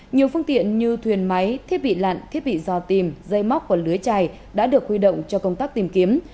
nhiều phương tiện như thuyền máy thiết bị lặn thiết bị dò tìm dây móc và lưới trài đã được huy động cho công tác tìm kiếm